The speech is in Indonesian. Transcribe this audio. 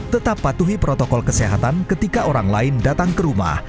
tetap patuhi protokol kesehatan ketika orang lain datang ke rumah